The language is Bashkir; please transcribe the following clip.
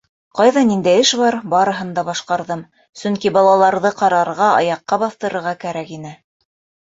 Ҡайҙа ниндәй эш бар, барыһын да башҡарҙым, сөнки балаларҙы ҡарарға, аяҡҡа баҫтырырға кәрәк ине.